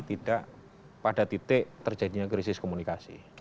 tidak pada titik terjadinya krisis komunikasi